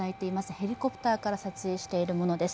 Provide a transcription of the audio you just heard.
ヘリコプターから撮影しているものです。